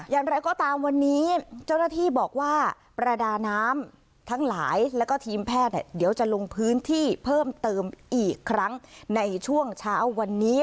อย่างไรก็ตามวันนี้เจ้าหน้าที่บอกว่าประดาน้ำทั้งหลายแล้วก็ทีมแพทย์เดี๋ยวจะลงพื้นที่เพิ่มเติมอีกครั้งในช่วงเช้าวันนี้